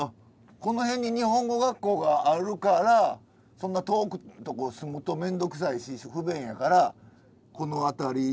この辺に日本語学校があるからそんな遠いとこ住むと面倒くさいし不便やからこの辺りにみんな。